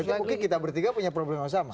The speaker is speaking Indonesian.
oke kita bertiga punya problem yang sama